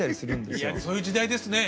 いやそういう時代ですね。